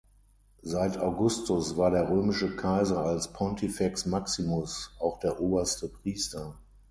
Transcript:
Seit Augustus war der römische Kaiser als "pontifex maximus" auch der oberste Priester.